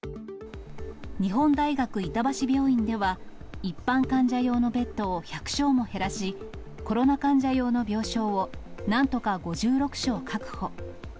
日本大学板橋病院では、一般患者用のベッドを１００床も減らし、コロナ患者用の病床を、なんとか５６床確保。